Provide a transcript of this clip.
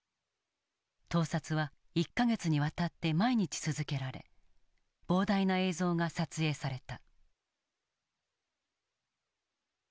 盗撮は１か月にわたって毎日続けられ膨大な映像が撮影された。